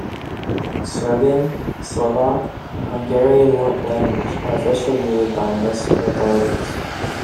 Serbian, Slovak and Hungarian language are officially used by municipal authorities.